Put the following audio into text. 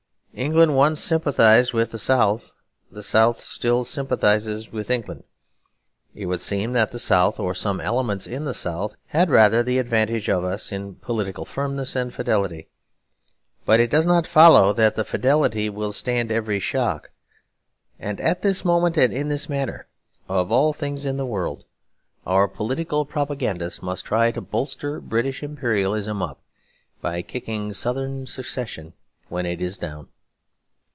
England once sympathised with the South. The South still sympathises with England. It would seem that the South, or some elements in the South, had rather the advantage of us in political firmness and fidelity; but it does not follow that that fidelity will stand every shock. And at this moment, and in this matter, of all things in the world, our political propagandists must try to bolster British Imperialism up, by kicking Southern Secession when it is down.